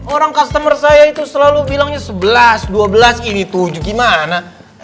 orang customer saya itu selalu bilangnya sebelas dua belas ini tujuh gimana